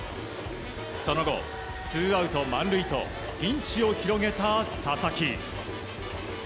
その後、ツーアウト満塁とピンチを広げた佐々木。